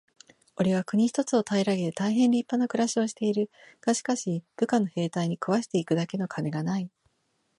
「おれは国一つを平げて大へん立派な暮しをしている。がしかし、部下の兵隊に食わして行くだけの金がない。」